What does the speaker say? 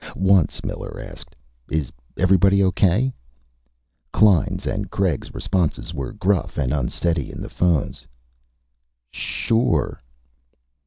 Once Miller asked, "Is everybody okay?" Klein's and Craig's responses were gruff and unsteady in the phones. "Sure...."